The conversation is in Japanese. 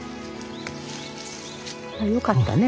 よかったね。